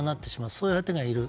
そういう相手がいる。